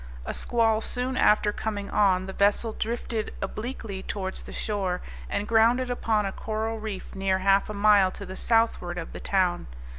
A squall soon after coming on, the vessel drifted obliquely towards the shore, and grounded upon a coral reef near half a mile to the southward of the town.